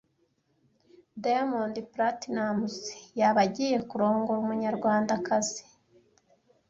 diamonds platinums yaba agiye kurongora umunyarwandakazi